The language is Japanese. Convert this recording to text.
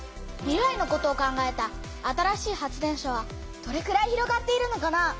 未来のことを考えた新しい発電所はどれくらい広がっているのかな？